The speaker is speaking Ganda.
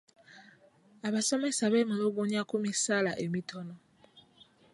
Abasomesa beemulugunya ku misaala emitono.